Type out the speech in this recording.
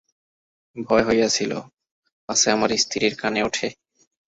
ভয় হইয়াছিল, পাছে আমার স্ত্রীর কানে ওঠে।